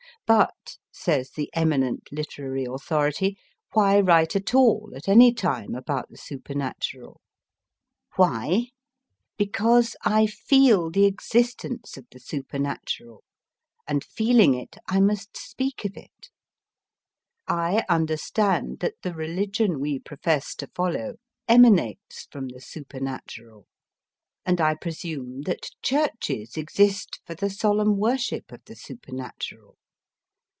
But, says the eminent literary authority, why write at all, at any time, about the supernatural ? Why ? Because I feel the existence of the supernatural, and feeling it, I must speak of it. I understand that the religion we profess to follow ema nates from the supernatural. And I presume that churches exist for the solemn worship of the supernatural.